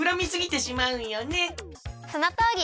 そのとおり！